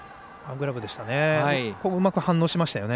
うまく反応しましたね。